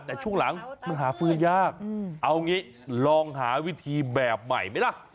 แต่ช่วงหลังมันหาฟื้นยากเอางี้ลองหาวิธีแบบใหม่ไหมล่ะ